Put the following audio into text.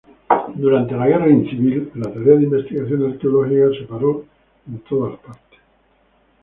Durante la Guerra Civil la tarea de investigación arqueológica se paró en todas partes.